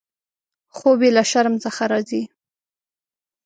خوب یې له شرم څخه راځي.